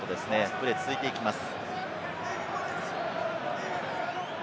プレーは続いていきます。